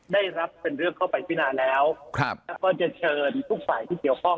ได้รับเป็นเรื่องเข้าไปพินาแล้วครับแล้วก็จะเชิญทุกฝ่ายที่เกี่ยวข้อง